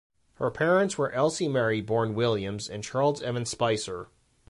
Her parents were Elsie Mary (born Williams) and Charles Evan Spicer.